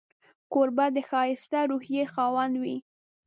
کوربه د ښایسته روحيې خاوند وي.